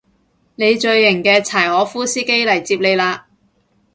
你最型嘅柴可夫司機嚟接你喇